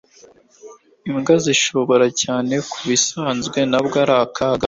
Imbwa zishongora cyane mubisanzwe ntabwo ari akaga.